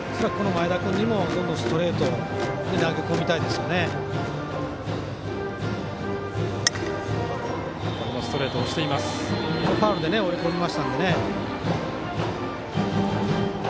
前田君にもどんどんストレートで投げ込みたいですね。